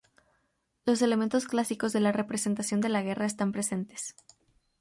Los elementos clásicos de la representación de la guerra están presentes.